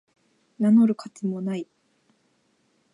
名乗る価値もない